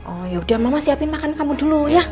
oh ya udah mama siapin makan kamu dulu ya